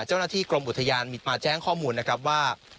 เจ้าหน้าที่กรมอุทยานมาแจ้งข้อมูลนะครับว่า